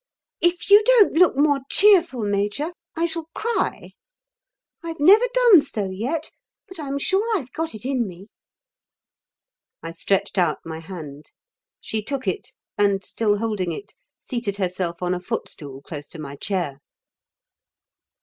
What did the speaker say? "If you don't look more cheerful, Major, I shall cry. I've never done so yet, but I'm sure I've got it in me." I stretched out my hand. She took it, and, still holding it, seated herself on a footstool close to my chair.